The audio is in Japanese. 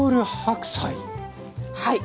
はい。